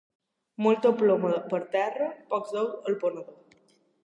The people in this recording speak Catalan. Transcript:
Molta ploma per terra, pocs ous al ponedor.